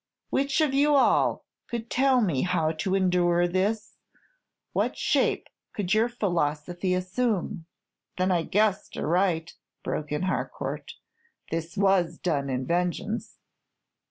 Which of you all could tell me how to endure this? What shape could your philosophy assume?" "Then I guessed aright," broke in Harcourt. "This was done in vengeance."